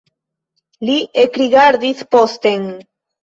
Li ekrigardis posten.